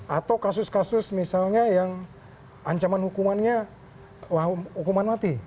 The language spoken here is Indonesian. atau kasus kasus misalnya yang ancaman hukumannya hukuman mati